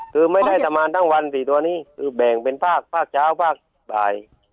คือไม่ได้ประมาณทั้งวัน๔ตัวนี้คือแบ่งเป็นภาคภาคเช้าภาคบ่าย